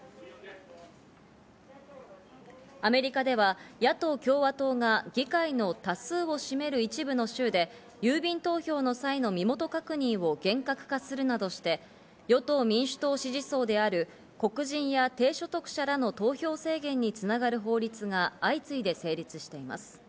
アメリカでは野党・共和党が議会の多数を占める一部の州で郵便投票の際の身元確認を厳格化するなどして、与党・民主党支持層である黒人や低所得者らの投票制限に繋がる法律が相次いで成立しています。